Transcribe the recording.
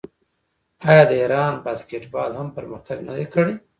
آیا د ایران باسکیټبال هم پرمختګ نه دی کړی؟